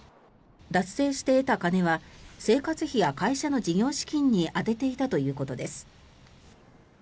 脱税して得た金は生活費や会社の事業資金に充てていたということです。